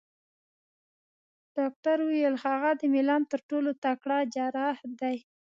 ډاکټر وویل: هغه د میلان تر ټولو تکړه جراح دی.